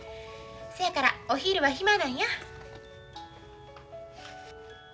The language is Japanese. せやからお昼は暇なんや。